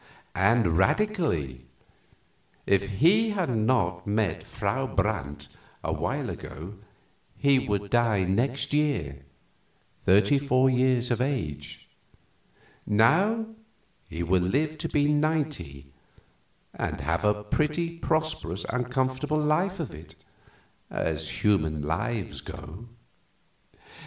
And radically. If he had not met Frau Brandt awhile ago he would die next year, thirty four years of age. Now he will live to be ninety, and have a pretty prosperous and comfortable life of it, as human lives go."